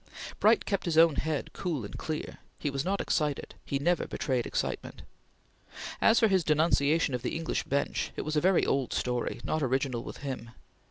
Bright kept his own head cool and clear. He was not excited; he never betrayed excitement. As for his denunciation of the English Bench, it was a very old story, not original with him.